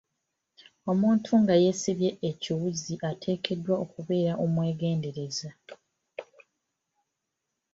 Omuntu nga yeesiba ekiwuzi ateekeddwa okuba omwegendereza.